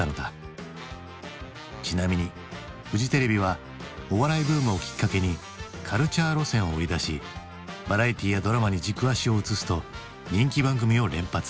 ちなみにフジテレビはお笑いブームをきっかけに軽チャー路線を売り出しバラエティーやドラマに軸足を移すと人気番組を連発。